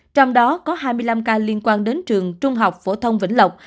trong đó có hai mươi năm ca liên quan đến trường trung học phổ thông vĩnh lộc